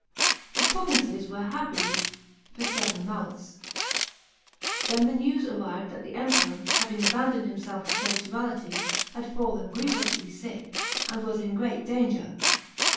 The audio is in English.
The provinces were happy for seven months; then the news arrived that the Emneror, having abandoned himself to sensuality, had fallen grievously sick, and was in great danger.